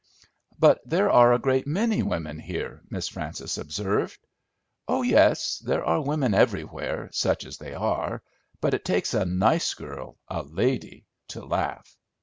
"But there are a great many women here," Miss Frances observed. "Oh yes, there are women everywhere, such as they are; but it takes a nice girl, a lady, to laugh!"